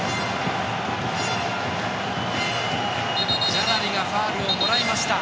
ジャラリがファウルをもらいました。